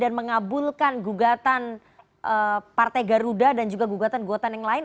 dan mengabulkan gugatan partai garuda dan juga gugatan gugatan yang lain